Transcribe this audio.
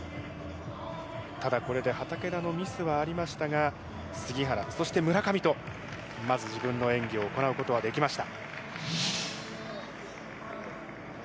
ただ、これで畠田のミスはありましたが杉原、そして村上とまず自分の演技を行うことはできました。